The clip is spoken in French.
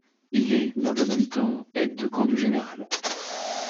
Il est, dans le même temps, aide de camp du général.